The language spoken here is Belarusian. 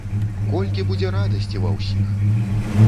Колькі будзе радасці ва ўсіх!